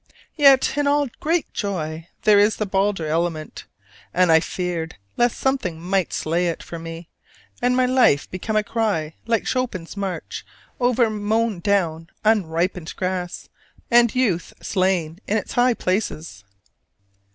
Yet in all great joy there is the Balder element: and I feared lest something might slay it for me, and my life become a cry like Chopin's march over mown down unripened grass, and youth slain in its high places.